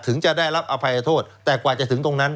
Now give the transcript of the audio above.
จะได้รับอภัยโทษแต่กว่าจะถึงตรงนั้น